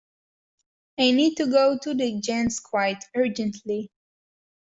I need to go to the gents quite urgently